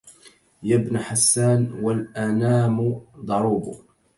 يا ابن حسان والأنام ضروب